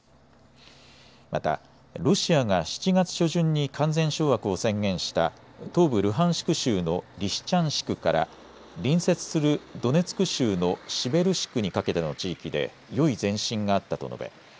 またロシアが７月初旬に完全掌握を宣言した東部ルハンシク州のリシチャンシクから隣接するドネツク州のシベルシクにかけての地域でよい前進があったと述べ